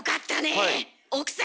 え？